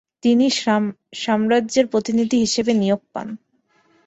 তিনি সাম্রাজ্যের প্রতিনিধি হিসেবে নিয়োগ পান।